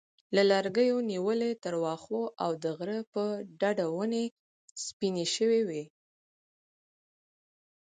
له لرګیو نیولې تر واښو او د غره په ډډه ونې سپینې شوې وې.